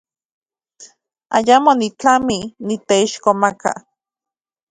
Ayamo nitlami niteixkomaka.